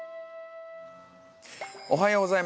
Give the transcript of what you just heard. おはようございます。